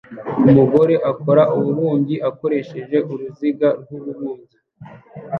Umugore akora ububumbyi akoresheje uruziga rw'umubumbyi